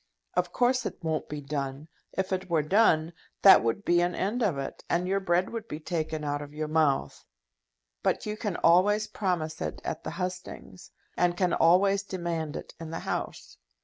Of course it won't be done. If it were done, that would be an end of it, and your bread would be taken out of your mouth. But you can always promise it at the hustings, and can always demand it in the House.